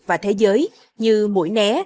và thế giới như mũi né